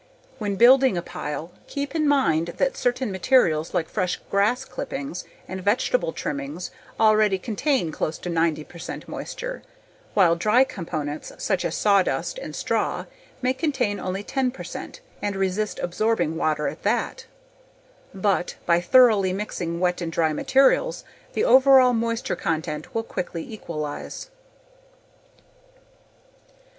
When building a pile, keep in mind that certain materials like fresh grass clippings and vegetable trimmings already contain close to 90 percent moisture while dry components such as sawdust and straw may contain only 10 percent and resist absorbing water at that. But, by thoroughly mixing wet and dry materials the overall moisture content will quickly equalize.